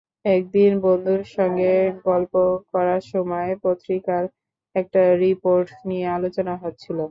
একদিন বন্ধুদের সঙ্গে গল্প করার সময় পত্রিকার একটা রিপোর্ট নিয়ে আলোচনা হচ্ছিল।